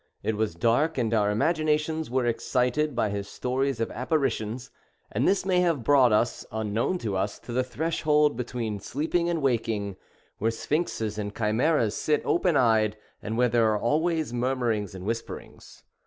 It was dark, and our imaginations were excited by his stories of apparitions, and this may have brought us, unknown to us, to the threshold, between sleeping and waking, where Sphinxes and Chimaeras sit open eyed and where there are always murmurings and whisperings.